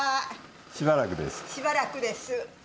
しばらくです。